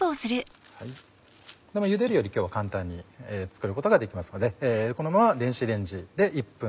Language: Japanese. ゆでるより今日は簡単に作ることができますのでこのまま。